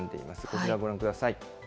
こちら、ご覧ください。